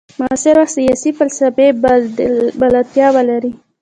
معاصر وخت سیاسي فلسفې بلدتیا ولري.